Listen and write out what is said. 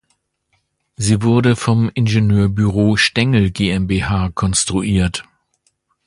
Sie wurde vom Ingenieurbüro Stengel GmbH konstruiert.